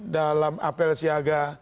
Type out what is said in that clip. dalam apel siaga